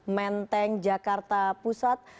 menteng jakarta pusat